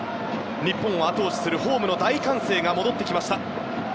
日本を後押しするホームの大歓声が戻ってきました。